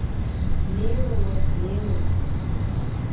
Неуэ уэ, неуэ.